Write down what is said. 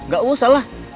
gak usah lah